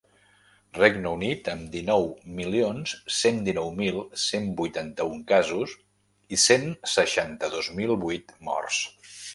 Regne Unit, amb dinou milions cent dinou mil cent vuitanta-un casos i cent seixanta-dos mil vuit morts.